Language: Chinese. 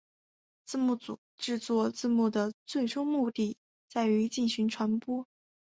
字幕组制作字幕的最终目的在于进行传播。